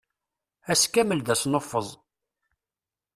Ass kamel d asnuffeẓ.